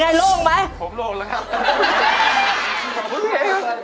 ผมโล่งแล้วครับ